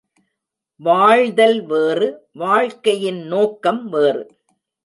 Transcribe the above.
வாழ்தல் வேறு வாழ்க்கையின் நோக்கம் வேறு.